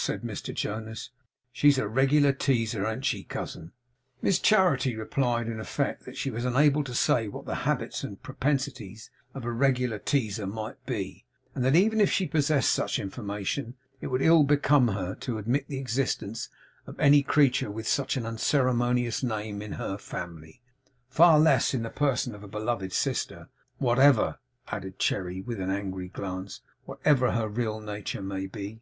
said Mr Jonas. 'She's a regular teaser, an't she, cousin?' Miss Charity replied in effect, that she was unable to say what the habits and propensities of a regular teaser might be; and that even if she possessed such information, it would ill become her to admit the existence of any creature with such an unceremonious name in her family; far less in the person of a beloved sister; 'whatever,' added Cherry with an angry glance, 'whatever her real nature may be.